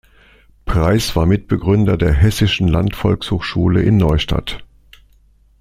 Preiß war Mitbegründer der Hessischen Landvolkshochschule in Neustadt.